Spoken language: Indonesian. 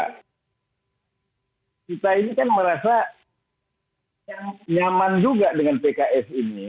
kita ini kan merasa nyaman juga dengan pks ini